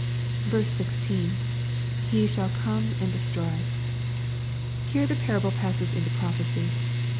16. — [He shall come and destroy.] Here the parable passes into prophecy.